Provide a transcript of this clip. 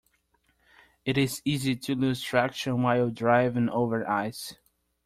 It is easy to lose traction while driving over ice.